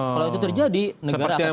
kalau itu terjadi negara akan semakin chaos